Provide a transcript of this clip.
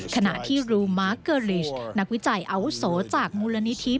ขณะที่รู้มาเกอริชนักวิจัยเอาโสจากมูลนิธิ